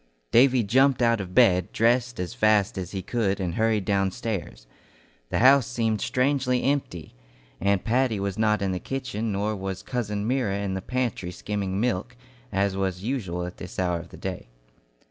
Davy jumped out of bed, dressed as fast as he could, and hurried downstairs. The house seemed strangely empty; Aunt Patty was not in the kitchen, nor was cousin Myra in the pantry skimming milk, as was usual at this hour of the day.